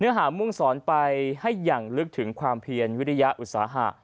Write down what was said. หามุ่งสอนไปให้อย่างลึกถึงความเพียรวิริยาอุตสาหะ